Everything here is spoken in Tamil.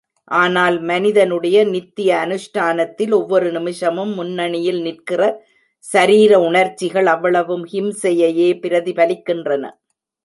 ஆனால், மனிதனுடைய நித்ய அனுஷ்டானத்தில் ஒவ்வொரு நிமிஷமும் முன்னணியில் நிற்கிற சரீர உணர்ச்சிகள் அவ்வளவும் ஹிம்சையையே பிரதிபலிக்கின்றன.